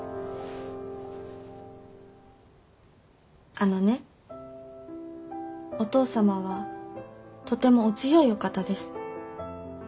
あのねお父様はとてもお強いお方です。